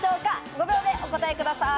５秒でお答えください。